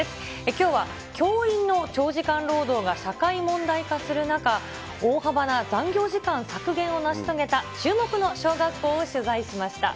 きょうは教員の長時間労働が社会問題化する中、大幅な残業時間削減を成し遂げた注目の小学校を取材しました。